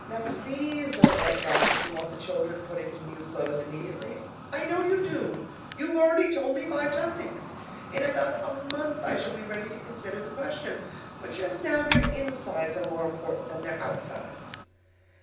Now please don't write back that you want the children put into new clothes immediately. I know you do; you've already told me five times. In about a month I shall be ready to consider the question, but just now their insides are more important than their outsides.